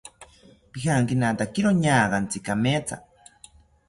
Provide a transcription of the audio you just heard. Pijankinatakiro ñaagantzi kametha